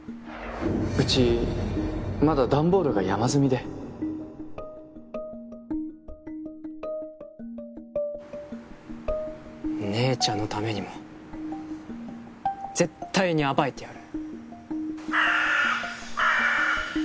うちまだ段ボールが山積みで姉ちゃんのためにも絶対に暴いてやる。